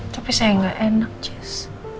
tapi saya gak enak jess